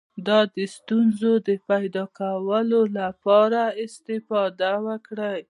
د ستونزو د پیدا کولو لپاره استفاده وکړه.